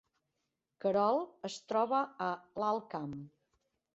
Querol es troba a l’Alt Camp